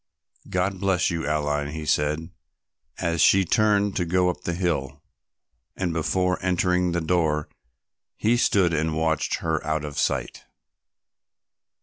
"God bless you, Aline," he said, as she turned to go up the hill, and before entering the door he stood and watched her out of sight.